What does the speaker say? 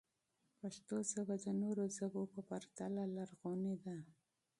پښتو ژبه د نورو ژبو په پرتله لرغونې ده.